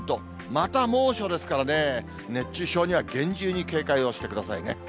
また猛暑ですからね、熱中症には厳重に警戒をしてくださいね。